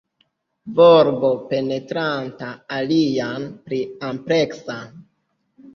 Volbo penetranta alian pli ampleksan.